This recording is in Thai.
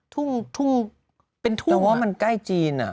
แต่ว่ามันใกล้จีนอะ